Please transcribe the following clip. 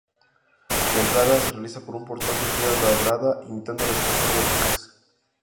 La entrada se realiza por un portal de piedra labrada, imitando las formas góticas.